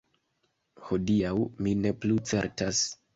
Hodiaŭ mi ne plu certas.